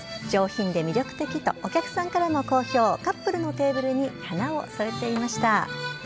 上品で魅力的と、お客さんからも好評、カップルのテーブルに花を添えていました。